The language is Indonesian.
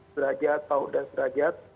serajat pau dan serajat